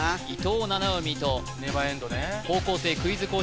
伊藤七海と高校生クイズ